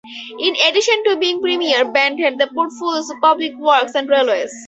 In addition to being premier, Bent had the portfolios of public works and railways.